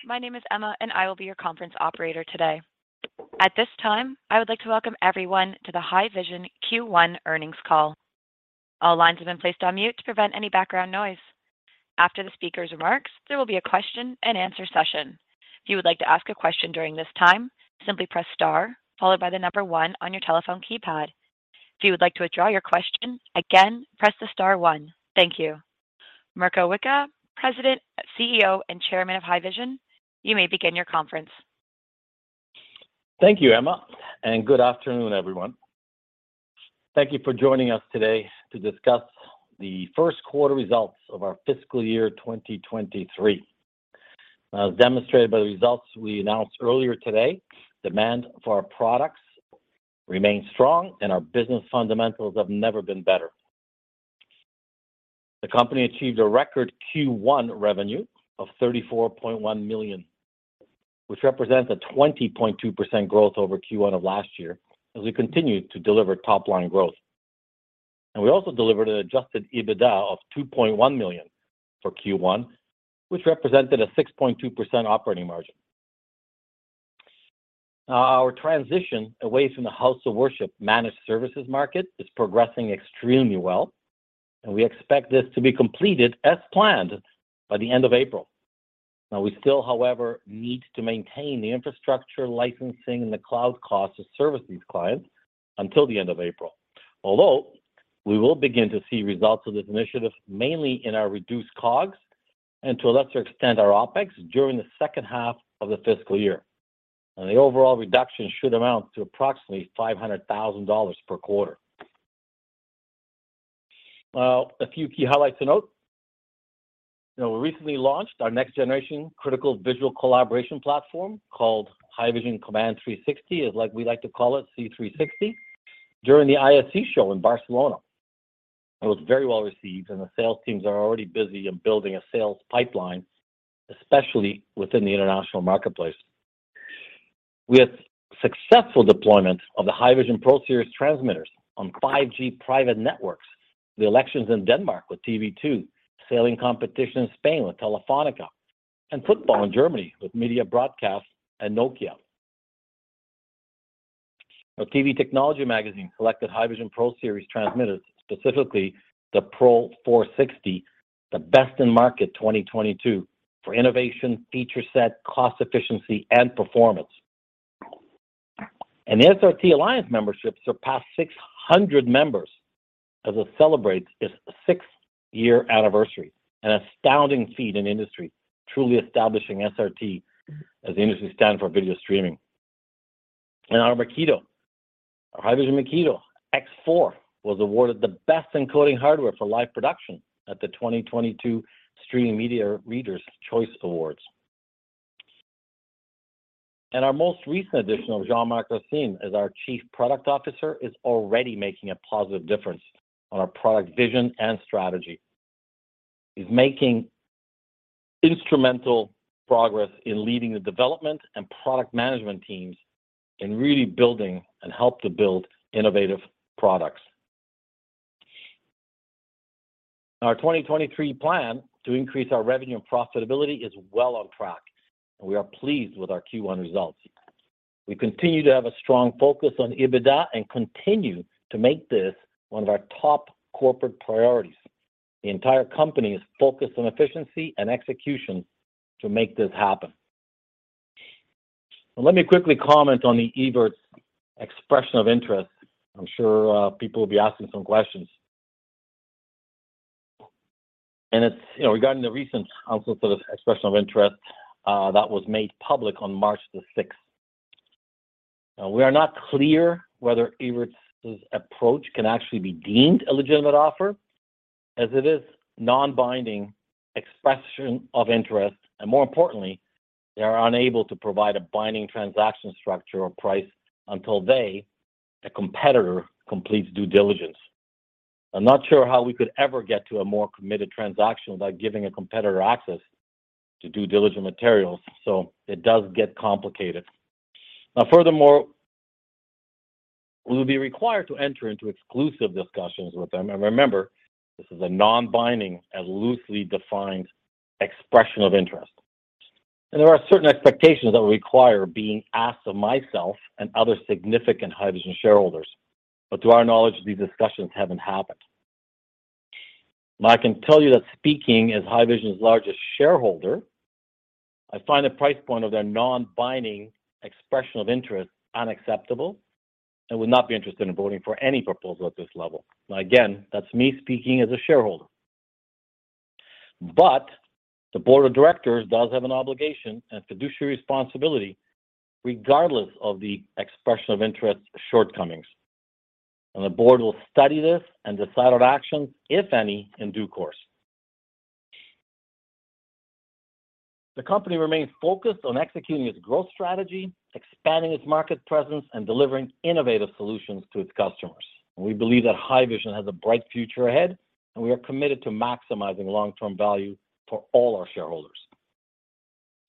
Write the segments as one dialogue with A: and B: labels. A: Hey, my name is Emma, and I will be your conference operator today. At this time, I would like to welcome everyone to the Haivision Q1 earnings call. All lines have been placed on mute to prevent any background noise. After the speaker's remarks, there will be a question and answer session. If you would like to ask a question during this time, simply press star followed by one on your telephone keypad. If you would like to withdraw your question, again, press the star one. Thank you. Mirko Wicha, President, CEO, and Chairman of Haivision, you may begin your conference.
B: Thank you, Emma. Good afternoon, everyone. Thank you for joining us today to discuss the first quarter results of our fiscal year 2023. As demonstrated by the results we announced earlier today, demand for our products remains strong, and our business fundamentals have never been better. The company achieved a record Q1 revenue of 34.1 million, which represents a 20.2% growth over Q1 of last year as we continued to deliver top-line growth. We also delivered an adjusted EBITDA of 2.1 million for Q1, which represented a 6.2% operating margin. Now, our transition away from the House of Worship managed services market is progressing extremely well, and we expect this to be completed as planned by the end of April. We still, however, need to maintain the infrastructure licensing and the cloud cost to service these clients until the end of April. We will begin to see results of this initiative mainly in our reduced COGS and to a lesser extent, our OpEx during the second half of the fiscal year. The overall reduction should amount to approximately 500,000 dollars per quarter. A few key highlights to note. You know, we recently launched our next-generation critical visual collaboration platform called Haivision Command 360, as like we like to call it C360, during the ISE in Barcelona. It was very well received, and the sales teams are already busy in building a sales pipeline, especially within the international marketplace. We had successful deployments of the Haivision Pro Series transmitters on 5G private networks, the elections in Denmark with TV 2, sailing competition in Spain with Telefónica, and football in Germany with Media Broadcast and Nokia. TV Tech magazine selected Haivision Pro Series transmitters, specifically the Pro460, the best in market 2022 for innovation, feature set, cost efficiency and performance. The SRT Alliance membership surpassed 600 members as it celebrates its 6th year anniversary, an astounding feat in industry, truly establishing SRT as the industry standard for video streaming. Our Makito, our Haivision Makito X4 was awarded the best encoding hardware for live production at the 2022 Streaming Media Readers' Choice Awards. Our most recent addition of Jean-Marc Racine as our Chief Product Officer is already making a positive difference on our product vision and strategy. He's making instrumental progress in leading the development and product management teams in really building and help to build innovative products. Our 2023 plan to increase our revenue and profitability is well on track, and we are pleased with our Q1 results. We continue to have a strong focus on EBITDA and continue to make this one of our top corporate priorities. The entire company is focused on efficiency and execution to make this happen. Let me quickly comment on the Evertz expression of interest. I'm sure people will be asking some questions. It's, you know, regarding the recent also sort of expression of interest that was made public on March 6th. We are not clear whether Evertz's approach can actually be deemed a legitimate offer as it is non-binding expression of interest, and more importantly, they are unable to provide a binding transaction structure or price until they, a competitor, completes due diligence. I'm not sure how we could ever get to a more committed transaction without giving a competitor access to due diligent materials, so it does get complicated. Furthermore, we'll be required to enter into exclusive discussions with them. Remember, this is a non-binding and loosely defined expression of interest. There are certain expectations that will require being asked of myself and other significant Haivision shareholders. To our knowledge, these discussions haven't happened. I can tell you that speaking as Haivision's largest shareholder, I find the price point of their non-binding expression of interest unacceptable and would not be interested in voting for any proposal at this level. Again, that's me speaking as a shareholder. The board of directors does have an obligation and fiduciary responsibility regardless of the expression of interest shortcomings, and the board will study this and decide on action, if any, in due course. The company remains focused on executing its growth strategy, expanding its market presence, and delivering innovative solutions to its customers. We believe that Haivision has a bright future ahead, and we are committed to maximizing long-term value for all our shareholders.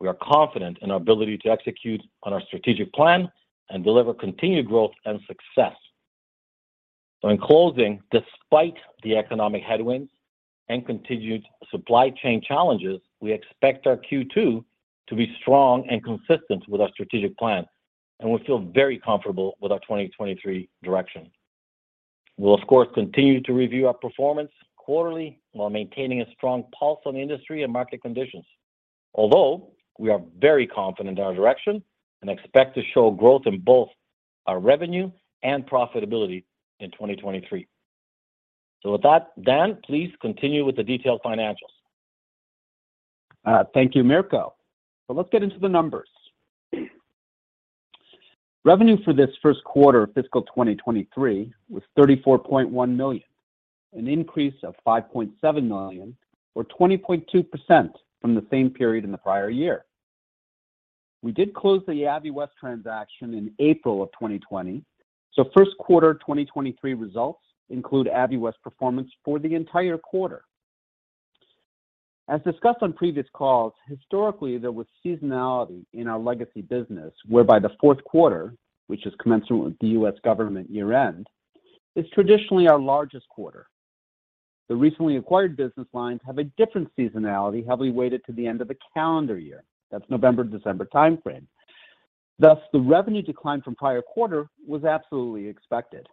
B: We are confident in our ability to execute on our strategic plan and deliver continued growth and success. In closing, despite the economic headwinds and continued supply chain challenges, we expect our Q2 to be strong and consistent with our strategic plan, and we feel very comfortable with our 2023 direction. We'll, of course, continue to review our performance quarterly while maintaining a strong pulse on the industry and market conditions. We are very confident in our direction and expect to show growth in both our revenue and profitability in 2023. With that, Dan, please continue with the detailed financials.
C: Thank you, Mirko. Let's get into the numbers. Revenue for this first quarter of fiscal 2023 was 34.1 million, an increase of 5.7 million or 20.2% from the same period in the prior year. We did close the Aviwest transaction in April of 2020. First quarter 2023 results include Aviwest performance for the entire quarter. As discussed on previous calls, historically, there was seasonality in our legacy business, whereby the fourth quarter, which is commensurate with the U.S. government year-end, is traditionally our largest quarter. The recently acquired business lines have a different seasonality, heavily weighted to the end of the calendar year. That's November-December timeframe. The revenue decline from prior quarter was absolutely expected.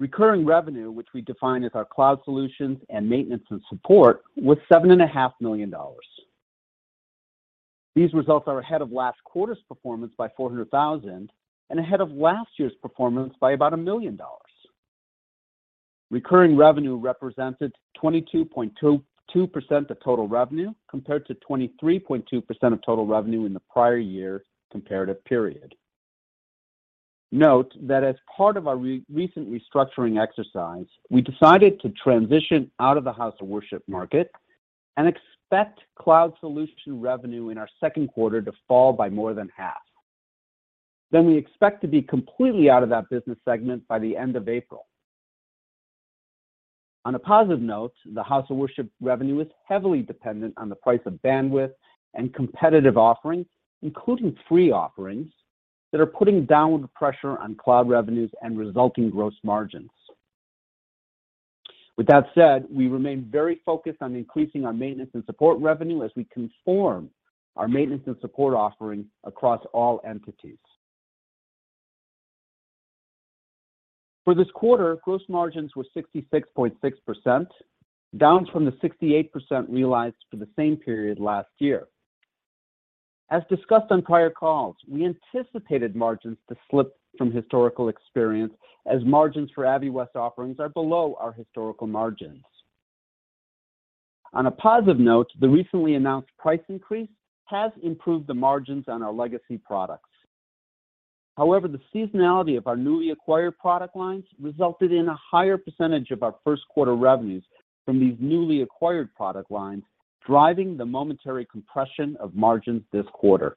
C: Recurring revenue, which we define as our cloud solutions and maintenance and support, was 7.5 Million dollars. These results are ahead of last quarter's performance by 400,000 and ahead of last year's performance by about 1 million dollars. Recurring revenue represented 22.22% of total revenue, compared to 23.2% of total revenue in the prior year comparative period. Note that as part of our recent restructuring exercise, we decided to transition out of the House of Worship market and expect cloud solution revenue in our second quarter to fall by more than half. We expect to be completely out of that business segment by the end of April. On a positive note, the House of Worship revenue is heavily dependent on the price of bandwidth and competitive offerings, including free offerings that are putting downward pressure on cloud revenues and resulting gross margins. With that said, we remain very focused on increasing our maintenance and support revenue as we conform our maintenance and support offerings across all entities. For this quarter, gross margins were 66.6%, down from the 68% realized for the same period last year. As discussed on prior calls, we anticipated margins to slip from historical experience as margins for Aviwest offerings are below our historical margins. On a positive note, the recently announced price increase has improved the margins on our legacy products. The seasonality of our newly acquired product lines resulted in a higher percentage of our first quarter revenues from these newly acquired product lines, driving the momentary compression of margins this quarter.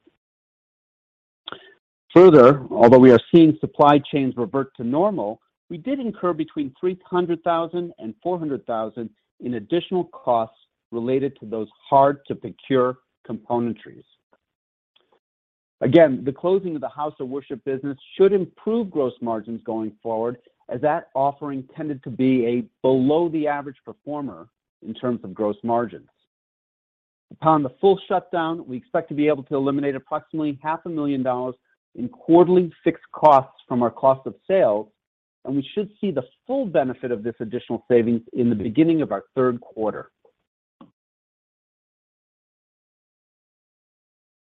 C: Although we are seeing supply chains revert to normal, we did incur between 300,000 and 400,000 in additional costs related to those hard-to-procure componentries. The closing of the House of Worship business should improve gross margins going forward, as that offering tended to be a below the average performer in terms of gross margins. Upon the full shutdown, we expect to be able to eliminate approximately 500,000 dollars in quarterly fixed costs from our cost of sales, and we should see the full benefit of this additional savings in the beginning of our third quarter.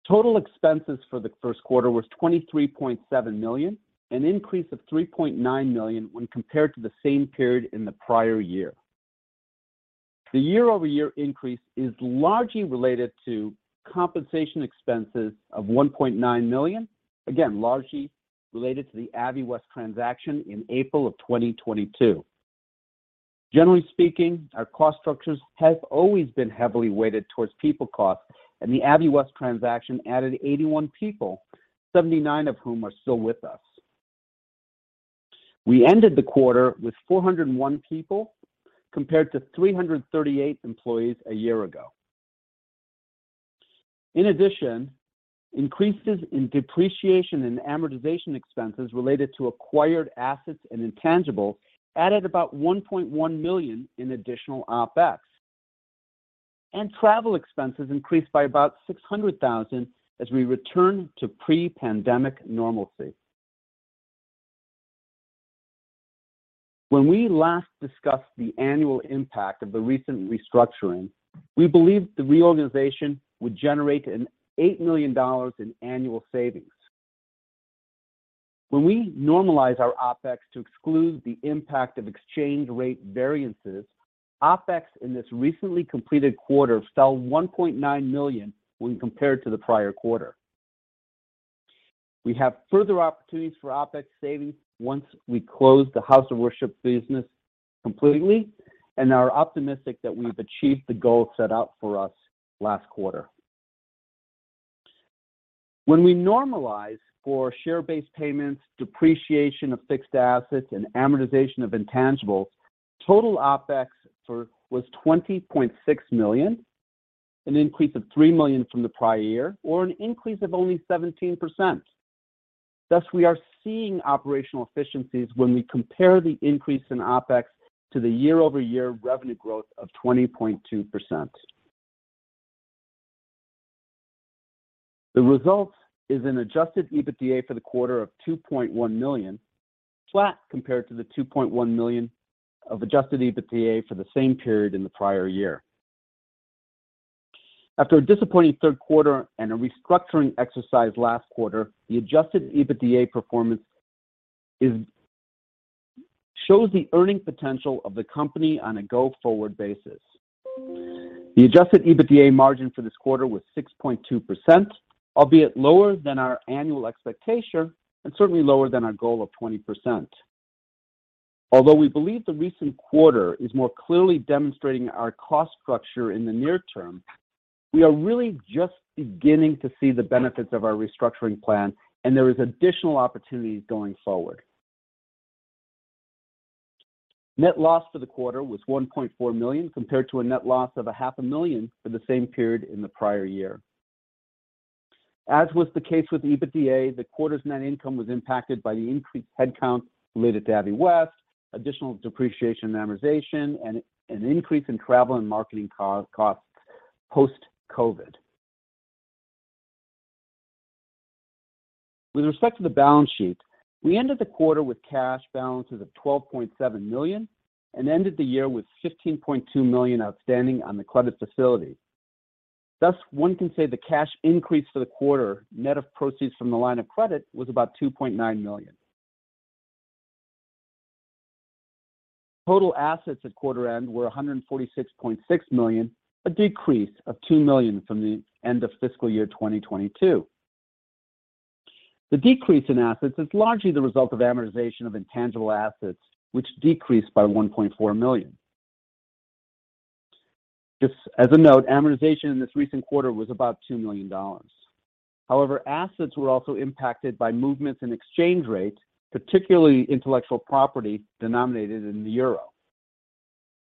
C: Total expenses for the first quarter was 23.7 million, an increase of 3.9 million when compared to the same period in the prior year. The year-over-year increase is largely related to compensation expenses of 1.9 million, again, largely related to the Aviwest transaction in April of 2022. Generally speaking, our cost structures have always been heavily weighted towards people costs, and the Aviwest transaction added 81 people, 79 of whom are still with us. We ended the quarter with 401 people, compared to 338 employees a year ago. In addition, increases in depreciation and amortization expenses related to acquired assets and intangibles added about 1.1 million in additional OpEx. Travel expenses increased by about 600,000 as we return to pre-pandemic normalcy. When we last discussed the annual impact of the recent restructuring, we believed the reorganization would generate 8 million dollars in annual savings. When we normalize our OpEx to exclude the impact of exchange rate variances, OpEx in this recently completed quarter fell 1.9 million when compared to the prior quarter. We have further opportunities for OpEx savings once we close the House of Worship business completely and are optimistic that we've achieved the goal set out for us last quarter. When we normalize for share-based payments, depreciation of fixed assets, and amortization of intangibles, total OpEx was 20.6 millionAn increase of 3 million from the prior year or an increase of only 17%. Thus, we are seeing operational efficiencies when we compare the increase in OpEx to the year-over-year revenue growth of 20.2%. The result is an adjusted EBITDA for the quarter of 2.1 million, flat compared to the 2.1 million of adjusted EBITDA for the same period in the prior year. After a disappointing third quarter and a restructuring exercise last quarter, the adjusted EBITDA performance shows the earning potential of the company on a go-forward basis. The adjusted EBITDA margin for this quarter was 6.2%, albeit lower than our annual expectation and certainly lower than our goal of 20%. Although we believe the recent quarter is more clearly demonstrating our cost structure in the near term, we are really just beginning to see the benefits of our restructuring plan, and there is additional opportunities going forward. Net loss for the quarter was 1.4 million, compared to a net loss of 500,000 for the same period in the prior year. As was the case with EBITDA, the quarter's net income was impacted by the increased headcount related to Aviwest, additional depreciation and amortization, and an increase in travel and marketing costs post-COVID. With respect to the balance sheet, we ended the quarter with cash balances of 12.7 million and ended the year with 15.2 million outstanding on the credit facility. One can say the cash increase for the quarter, net of proceeds from the line of credit, was about 2.9 million. Total assets at quarter end were 146.6 million, a decrease of 2 million from the end of fiscal year 2022. The decrease in assets is largely the result of amortization of intangible assets, which decreased by 1.4 million. Just as a note, amortization in this recent quarter was about 2 million dollars. However, assets were also impacted by movements in exchange rates, particularly intellectual property denominated in the euro.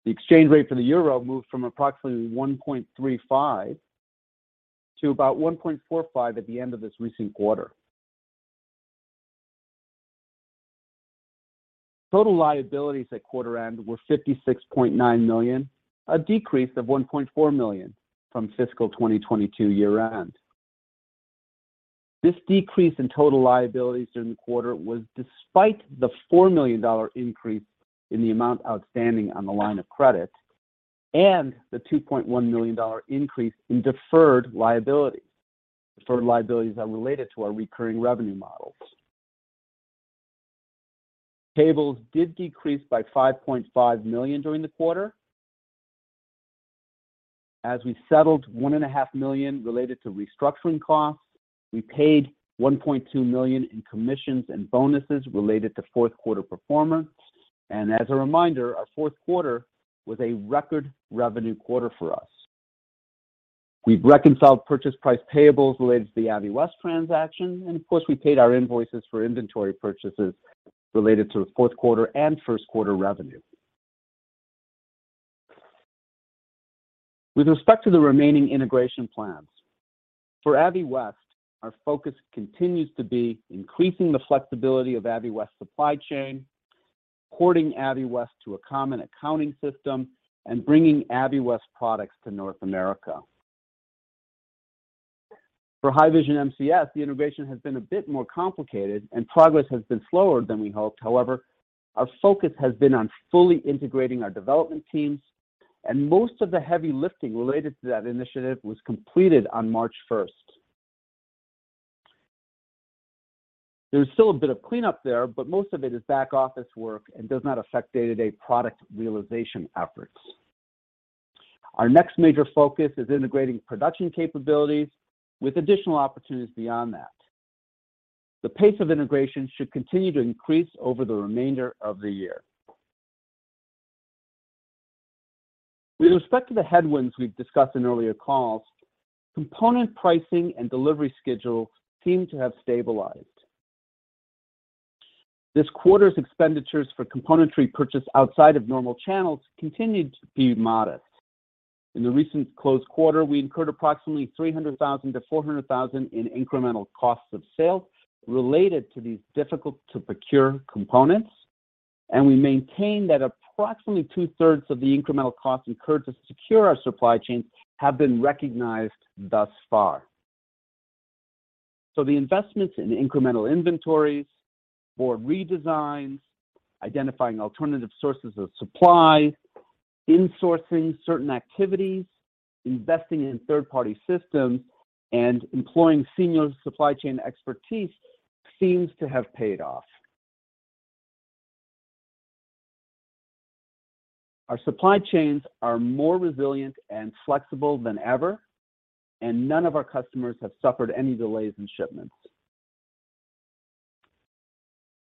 C: The exchange rate for the euro moved from approximately 1.35 to about 1.45 at the end of this recent quarter. Total liabilities at quarter end were 56.9 million, a decrease of 1.4 million from fiscal 2022 year-end. This decrease in total liabilities during the quarter was despite the 4 million dollar increase in the amount outstanding on the line of credit and the 2.1 million dollar increase in deferred liabilities. Deferred liabilities are related to our recurring revenue models. Payables did decrease by 5.5 million during the quarter as we settled 1.5 Related to restructuring costs. We paid 1.2 million in commissions and bonuses related to fourth quarter performance. As a reminder, our fourth quarter was a record revenue quarter for us. We've reconciled purchase price payables related to the Aviwest transaction, and of course, we paid our invoices for inventory purchases related to fourth quarter and first quarter revenue. With respect to the remaining integration plans, for Aviwest, our focus continues to be increasing the flexibility of Aviwest's supply chain, porting Aviwest to a common accounting system, and bringing Aviwest products to North America. For Haivision MCS, the integration has been a bit more complicated and progress has been slower than we hoped. However, our focus has been on fully integrating our development teams, and most of the heavy lifting related to that initiative was completed on March first. There's still a bit of cleanup there, but most of it is back-office work and does not affect day-to-day product realization efforts. Our next major focus is integrating production capabilities with additional opportunities beyond that. The pace of integration should continue to increase over the remainder of the year. With respect to the headwinds we've discussed in earlier calls, component pricing and delivery schedule seem to have stabilized. This quarter's expenditures for componentry purchased outside of normal channels continued to be modest. In the recent closed quarter, we incurred approximately 300,000-400,000 in incremental costs of sale related to these difficult to procure components, and we maintain that approximately two-thirds of the incremental costs incurred to secure our supply chain have been recognized thus far. The investments in incremental inventories, board redesigns, identifying alternative sources of supply, insourcing certain activities, investing in third-party systems, and employing senior supply chain expertise seems to have paid off. Our supply chains are more resilient and flexible than ever, and none of our customers have suffered any delays in shipments.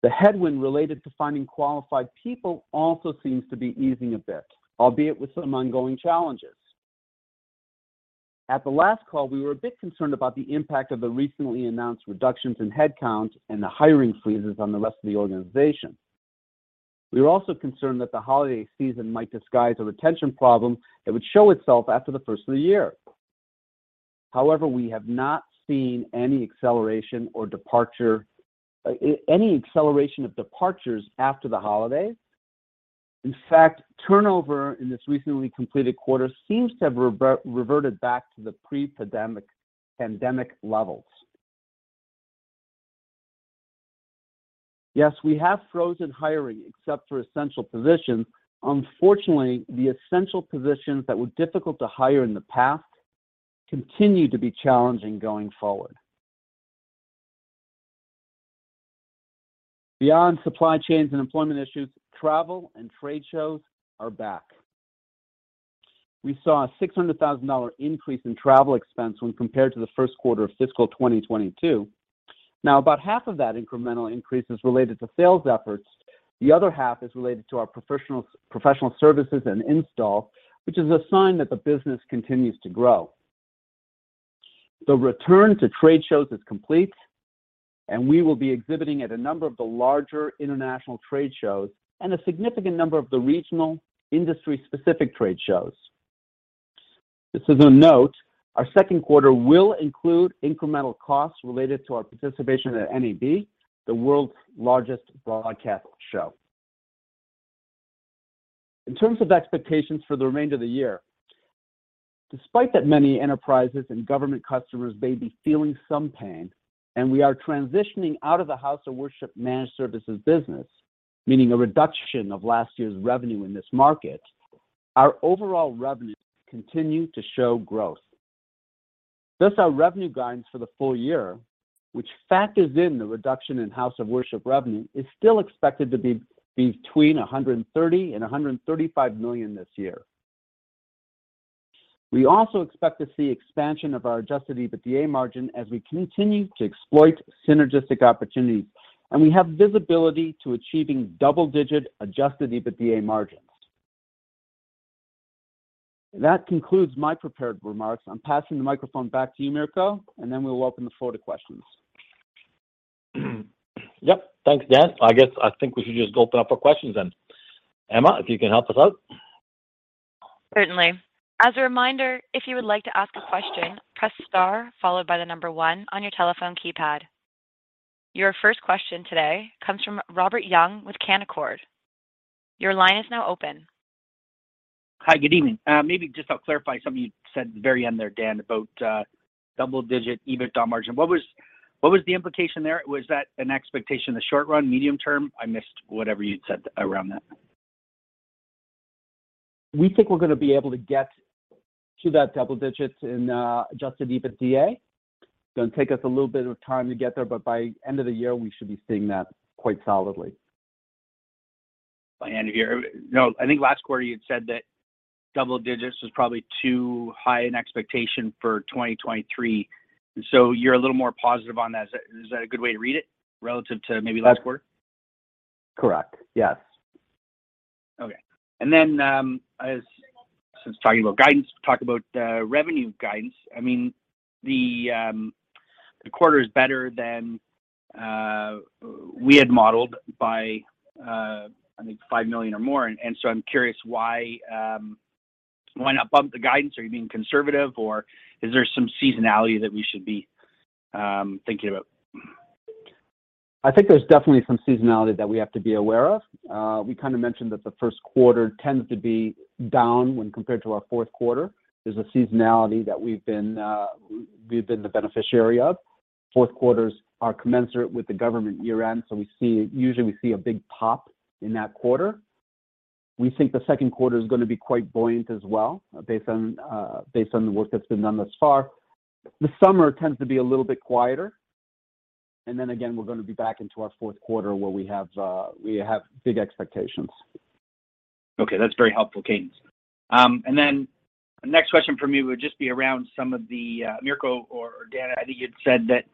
C: The headwind related to finding qualified people also seems to be easing a bit, albeit with some ongoing challenges. At the last call, we were a bit concerned about the impact of the recently announced reductions in headcount and the hiring freezes on the rest of the organization. We were also concerned that the holiday season might disguise a retention problem that would show itself after the first of the year. However, we have not seen any acceleration of departures after the holidays. In fact, turnover in this recently completed quarter seems to have reverted back to the pre-pandemic levels. Yes, we have frozen hiring except for essential positions. Unfortunately, the essential positions that were difficult to hire in the past continue to be challenging going forward. Beyond supply chains and employment issues, travel and trade shows are back. We saw a 600,000 dollar increase in travel expense when compared to the first quarter of fiscal 2022. About half of that incremental increase is related to sales efforts. The other half is related to our professional services and install, which is a sign that the business continues to grow. The return to trade shows is complete, and we will be exhibiting at a number of the larger international trade shows and a significant number of the regional industry-specific trade shows. Just as a note, our second quarter will include incremental costs related to our participation at NAB, the world's largest broadcast show. In terms of expectations for the remainder of the year, despite that many enterprises and government customers may be feeling some pain, we are transitioning out of the House of Worship managed services business, meaning a reduction of last year's revenue in this market, our overall revenues continue to show growth. Our revenue guidance for the full year, which factors in the reduction in House of Worship revenue, is still expected to be between 130 million and 135 million this year. We also expect to see expansion of our adjusted EBITDA margin as we continue to exploit synergistic opportunities, we have visibility to achieving double-digit adjusted EBITDA margins. That concludes my prepared remarks. I'm passing the microphone back to you, Mirko, then we'll open the floor to questions.
B: Yep. Thanks, Dan. I guess I think we should just open up for questions then. Emma, if you can help us out.
A: Certainly. As a reminder, if you would like to ask a question, press star followed by the number one on your telephone keypad. Your first question today comes from Robert Young with Canaccord. Your line is now open.
D: Hi, good evening. Maybe just I'll clarify something you said at the very end there, Dan, about, double digit EBITDA margin. What was the implication there? Was that an expectation in the short run, medium term? I missed whatever you'd said around that.
C: We think we're gonna be able to get to that double digits in adjusted EBITDA. It's gonna take us a little bit of time to get there, but by end of the year, we should be seeing that quite solidly.
D: By end of year. No, I think last quarter you had said that double digits was probably too high an expectation for 2023. You're a little more positive on that. Is that a good way to read it relative to maybe last quarter?
C: Correct. Yes.
D: Okay. Then, since talking about guidance, talk about revenue guidance. I mean, the quarter is better than we had modeled by I think 5 million or more. So I'm curious why not bump the guidance? Are you being conservative or is there some seasonality that we should be thinking about?
C: I think there's definitely some seasonality that we have to be aware of. We kinda mentioned that the first quarter tends to be down when compared to our fourth quarter. There's a seasonality that we've been the beneficiary of. Fourth quarters are commensurate with the government year-end. usually we see a big pop in that quarter. We think the second quarter is gonna be quite buoyant as well based on the work that's been done thus far. The summer tends to be a little bit quieter. Again, we're gonna be back into our fourth quarter where we have big expectations.
D: Okay, that's very helpful cadence. Next question from me would just be around some of the, Mirko or Dan, I think you'd said that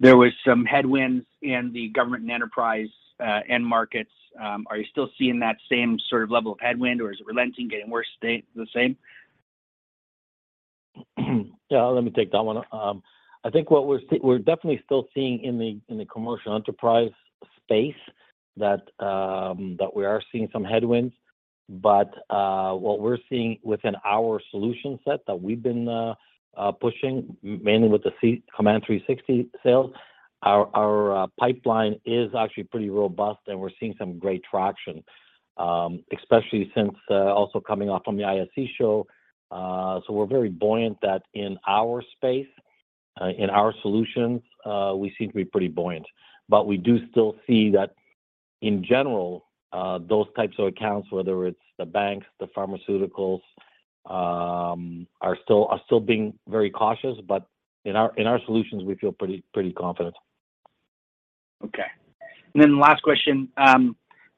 D: there was some headwinds in the government and enterprise, end markets. Are you still seeing that same sort of level of headwind or is it relenting, getting worse, stay the same?
B: Yeah, let me take that one. I think what we're definitely still seeing in the commercial enterprise space that we are seeing some headwinds. What we're seeing within our solution set that we've been pushing, mainly with the Command 360 sales, our pipeline is actually pretty robust and we're seeing some great traction, especially since also coming off from the ISE show. We're very buoyant that in our space, in our solutions, we seem to be pretty buoyant. We do still see that in general, those types of accounts, whether it's the banks, the pharmaceuticals, are still being very cautious. In our solutions, we feel pretty confident.
D: Last question.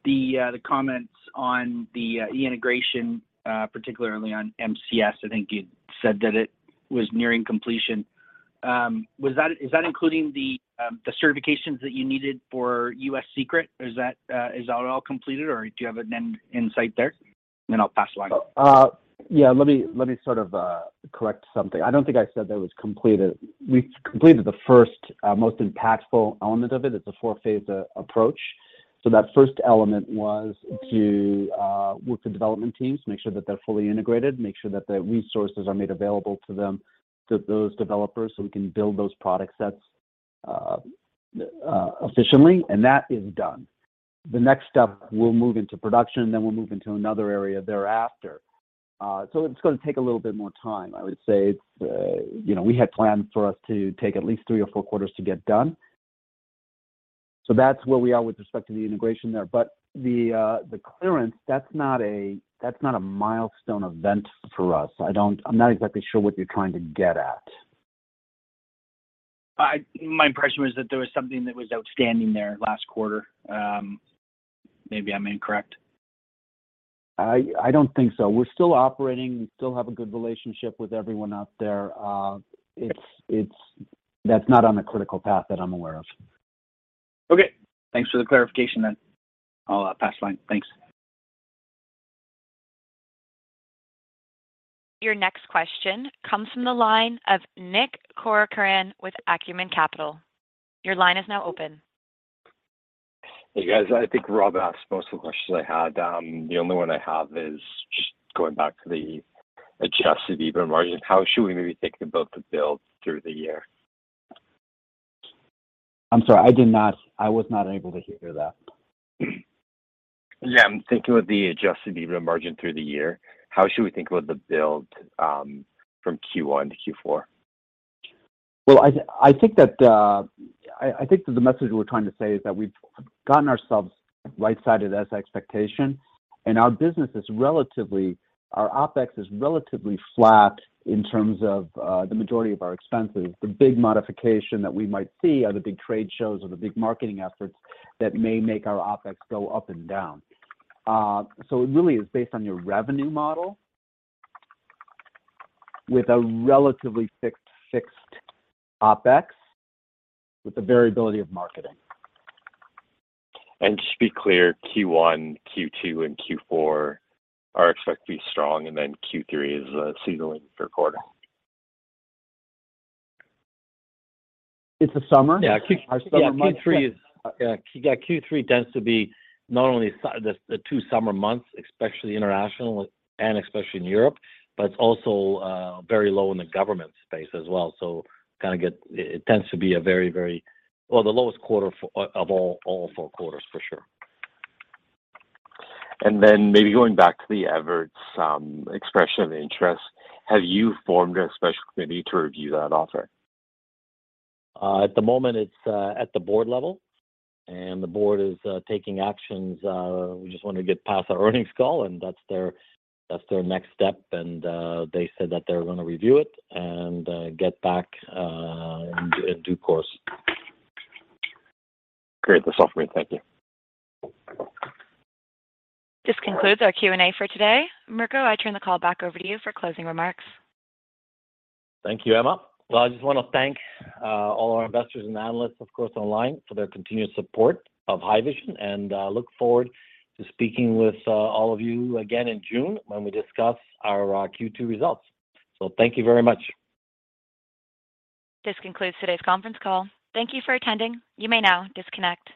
D: The comments on the integration, particularly on MCS, I think you said that it was nearing completion. Is that including the certifications that you needed for US Secret? Is that all completed or do you have an end in sight there? I'll pass the line.
C: Yeah, let me sort of, correct something. I don't think I said that was completed. We've completed the first, most impactful element of it. It's a four-phase approach. That first element was to work with development teams, make sure that they're fully integrated, make sure that the resources are made available to them, to those developers, so we can build those product sets efficiently, and that is done. The next step, we'll move into production, then we'll move into another area thereafter. It's gonna take a little bit more time. I would say it's, you know, we had plans for us to take at least three or four quarters to get done. That's where we are with respect to the integration there. The clearance, that's not a milestone event for us. I'm not exactly sure what you're trying to get at.
D: My impression was that there was something that was outstanding there last quarter. Maybe I'm incorrect.
C: I don't think so. We're still operating. We still have a good relationship with everyone out there. That's not on the critical path that I'm aware of.
B: Okay. Thanks for the clarification then. I'll pass the line. Thanks.
A: Your next question comes from the line of Nick Corcoran with Acumen Capital. Your line is now open.
E: Hey, guys. I think Rob asked most of the questions I had. The only one I have is just going back to the adjusted EBITDA margin. How should we maybe think about the build through the year?
C: I'm sorry. I was not able to hear that.
E: Yeah. I'm thinking with the adjusted EBITDA margin through the year, how should we think about the build, from Q1 to Q4?
C: Well, I think that, I think that the message we're trying to say is that we've gotten ourselves right-sided as expectation. Our OpEx is relatively flat in terms of the majority of our expenses. The big modification that we might see are the big trade shows or the big marketing efforts that may make our OpEx go up and down. It really is based on your revenue model with a relatively fixed OpEx, with the variability of marketing.
E: Just to be clear, Q1, Q2, and Q4 are expected to be strong, and then Q3 is a seasonal quarter.
C: It's the summer.
B: Yeah.
C: Our summer months.
B: Yeah. Q3 is. Yeah. Q3 tends to be not only the two summer months, especially international and especially in Europe, but it's also very low in the government space as well. It tends to be a very or the lowest quarter of all four quarters, for sure.
E: Maybe going back to the Evertz, expression of interest, have you formed a special committee to review that offer?
B: At the moment, it's at the board level, and the board is taking actions. We just wanna get past our earnings call. That's their next step and they said that they're gonna review it and get back in due course.
E: Great. That's all for me. Thank you.
A: This concludes our Q&A for today. Mirko, I turn the call back over to you for closing remarks.
B: Thank you, Emma. Well, I just wanna thank, all our investors and analysts, of course, online for their continued support of Haivision, and, look forward to speaking with, all of you again in June when we discuss our, Q2 results. Thank you very much.
A: This concludes today's conference call. Thank you for attending. You may now disconnect.